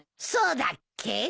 そうだっけ？